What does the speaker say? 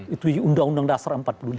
itu undang undang dasar empat puluh lima